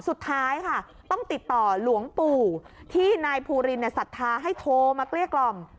สุดท้ายค่ะต้องติดต่อหลวงปู่ที่นายภูรินศรัทธาให้โทรมาเกลี้ยกล่อม